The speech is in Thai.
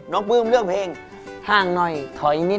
ปลื้มเลือกเพลงห้างหน่อยถอยนิด